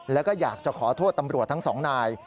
แล้วก็อยากจะขอโทษตำรวจทั้งสองนาย